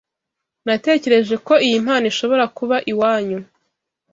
Natekereje ko iyi mpano ishobora kuba iwanyu.